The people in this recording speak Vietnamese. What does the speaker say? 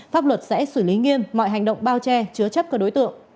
pháp luật sẽ xử lý nghiêm mọi hành động bao che chứa chấp các đối tượng